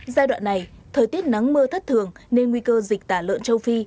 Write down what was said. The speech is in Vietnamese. giai đoạn này thời tiết nắng mưa thất thường nên nguy cơ dịch tả lợn châu phi